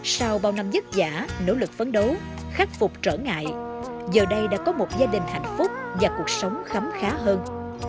sau bao năm dứt giả nỗ lực phấn đấu khắc phục trở ngại giờ đây đã có một gia đình hạnh phúc và cuộc sống khấm khá hơn